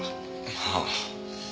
はあ。